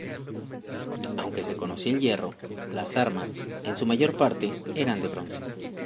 Aunque se conocía el hierro, las armas, en su mayor parte, eran de bronce.